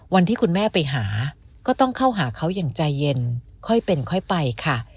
วันที่คุณแม่ไปหาก็ต้องเข้าหาเขาอย่างใจเย็นค่อยเป็นค่อยไปค่ะ